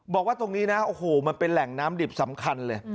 บอกว่าตรงนี้นะโอ้โหมันเป็นแหล่งน้ำดิบสำคัญเลย